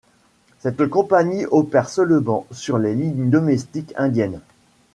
Cette compagnie opère seulement sur les lignes domestiques indiennes.